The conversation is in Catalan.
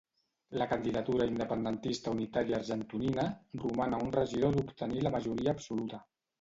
La candidatura independentista unitària argentonina roman a un regidor d'obtenir la majoria absoluta.